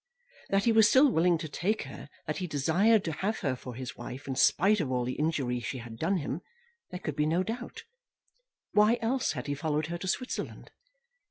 That he was still willing to take her, that he desired to have her for his wife in spite of all the injury she had done him, there could be no doubt. Why else had he followed her to Switzerland?